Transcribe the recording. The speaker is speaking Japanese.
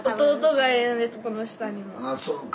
ああそうか。